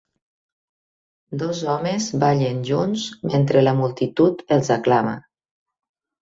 Dos homes ballen junts mentre la multitud els aclama